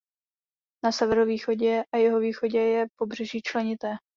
Na severovýchodě a jihovýchodě je pobřeží členité.